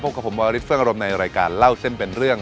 กับผมวาริสเฟิงอารมณ์ในรายการเล่าเส้นเป็นเรื่อง